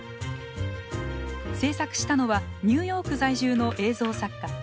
制作したのはニューヨーク在住の映像作家